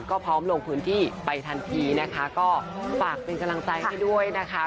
ก็พร้อมลงพื้นที่ไปทันทีนะคะก็ฝากเป็นกำลังใจให้ด้วยนะคะ